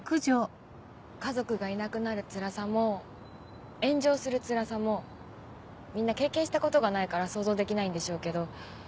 家族がいなくなるつらさも炎上するつらさもみんな経験したことがないから想像できないんでしょうけど。